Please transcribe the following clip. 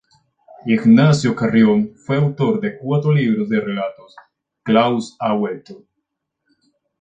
Ignacio Carrión fue autor de cuatro libros de relatos: "Klaus ha vuelto".